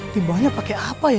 di bawahnya pake apa ya